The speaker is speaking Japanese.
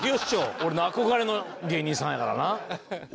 俺の憧れの芸人さんやからな。